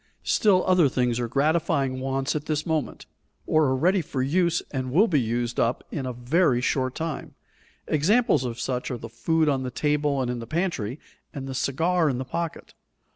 Still other things are gratifying wants at this moment, or are ready for use and will be used up in a very short time; examples of such are the food on the table and in the pantry, and the cigar in the pocket.